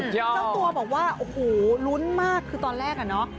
เจ้าตัวบอกว่าโอ้โหลุ้นมากคือตอนแรกอะเนาะ